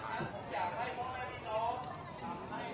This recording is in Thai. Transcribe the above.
ขอบคุณค่ะขอบคุณค่ะขอบคุณทุกคน